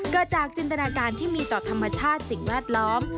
เกิดจากจินตนาการที่มีต่อธรรมชาติสิ่งแวดล้อม